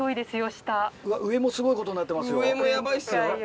うわ上もすごいことになってますよ。